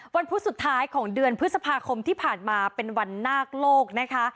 พุธสุดท้ายของเดือนพฤษภาคมที่ผ่านมาเป็นวันนาคโลกนะคะ